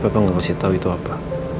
tapi papa gak pasti tau itu apa